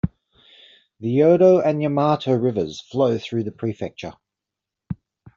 The Yodo and Yamato Rivers flow through the prefecture.